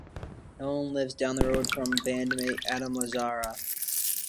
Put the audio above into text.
Nolan lives down the road from bandmate Adam Lazzara.